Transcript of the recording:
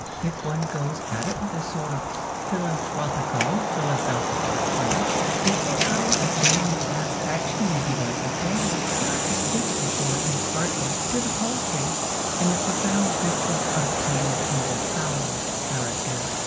If one goes at it with a sort of philanthropico philosophical spirit, a full hour of genuine satisfaction may be thus obtained not to speak of the joy imparted to the poultry, and the profound glimpses obtained into fowl character.